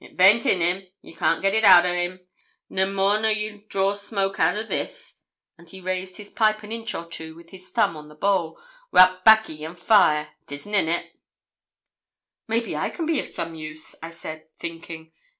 'It baint in him, you can't get it out o' 'im, no more nor ye'll draw smoke out o' this,' and he raised his pipe an inch or two, with his thumb on the bowl, 'without backy and fire. 'Tisn't in it.' 'Maybe I can be of some use?' I said, thinking.